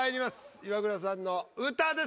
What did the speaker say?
イワクラさんの歌です。